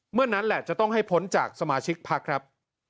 เมื่อนั้นแหละจะต้องให้พ้นจากสมาชิกภักดิ์ครับ